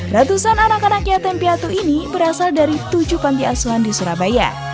ratusan anak anak yatim piatu ini berasal dari tujuh panti asuhan di surabaya